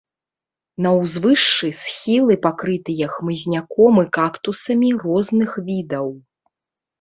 На ўзвышшы схілы пакрытыя хмызняком і кактусамі розных відаў.